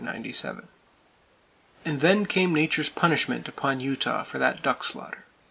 And then came Nature's punishment upon Utah for that duck slaughter.